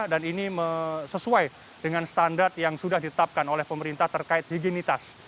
dan ini sesuai dengan standar yang sudah ditetapkan oleh pemerintah terkait higienitas